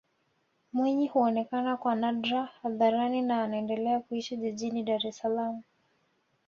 Mwinyi huonekana kwa nadra hadharani na anaendelea kuishi jijini Dar es Salaam